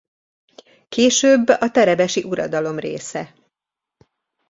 Később a terebesi uradalom része.